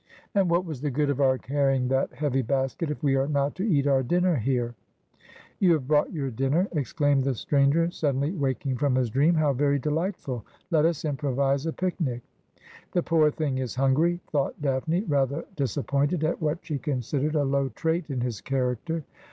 And what was the good of our carrying that heavy basket if we are not to eat our dinner here ?' 'You have brought your dinner!' exclaimed the stranger, suddenly waking from his dream. ' How very delightful ! Let us improvise a picnic' ' The poor thing is hungry,' thought Daphne, rather disap pointed at what she considered a low trait in his character.